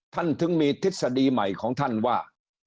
ถึงมีทฤษฎีใหม่ของท่านว่า